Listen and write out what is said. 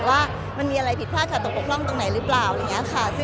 ว่ามันมีอะไรผิดพลาดตกปกครองตรงไหนหรือเปล่า